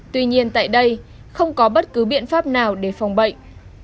tuy nhiên tại đây không có bất cứ biện pháp nào để phòng bệnh